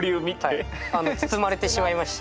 はい包まれてしまいまして。